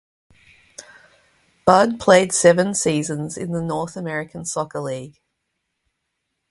Budd played seven seasons in the North American Soccer League.